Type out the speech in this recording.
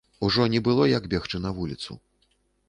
Ужо не было як бегчы на вуліцу.